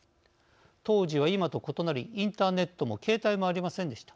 当時は今と異なりインターネットも携帯もありませんでした。